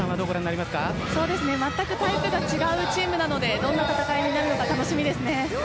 まったくタイプが違うチームなのでどんな戦いになるのか楽しみですね。